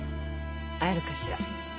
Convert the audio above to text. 会えるかしら？